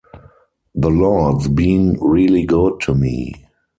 The Lord's been really good to me.